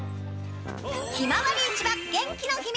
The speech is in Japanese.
ひまわり市場元気な秘密